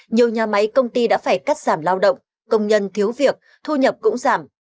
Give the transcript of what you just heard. nhiều nhà máy công ty đã phải cắt giảm lao động công nhân thiếu việc thu nhập cũng giảm